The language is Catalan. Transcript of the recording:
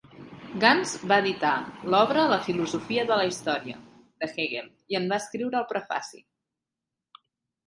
Gans va editar l"obra la "Filosofia de la història" de Hegel, i en va escriure el prefaci.